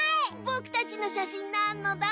ぼくたちのしゃしんなのだ。